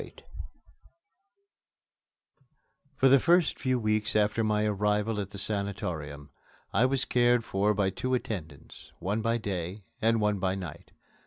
VIII For the first few weeks after my arrival at the sanatorium, I was cared for by two attendants, one by day and one by night.